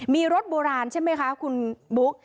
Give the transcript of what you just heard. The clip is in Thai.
มีรถโบราณใช่ไหมคะคุณบุ๊ค